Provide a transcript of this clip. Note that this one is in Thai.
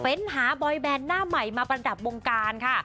เป็นหาบอยแบนหน้าใหม่มาประดับวงการค่ะ